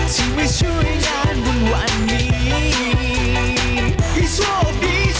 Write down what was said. สวัสดีครับ